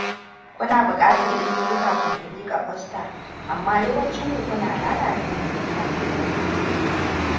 Kuna buƙatar izini kafin ku lika fosta, amma yawancinku, kuna lalata yanayin kyan hanyoyi!